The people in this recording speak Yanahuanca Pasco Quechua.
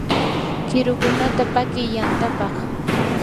qirukunata paki yantapaq.